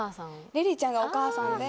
リリーちゃんがお母さんで。